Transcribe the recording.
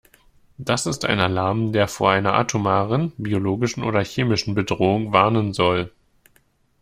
Das ist ein Alarm, der vor einer atomaren, biologischen oder chemischen Bedrohung warnen soll.